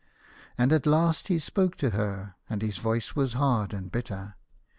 And at last he spoke to her, and his voice was hard and bitter.